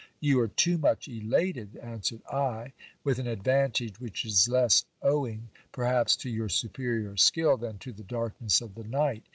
You are too much elated, answered I, with an advantage which is less owing, perhaps, to your superior skill, than to the darkness of the night.